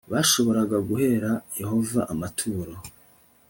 bashoboraga guhera yehova amaturo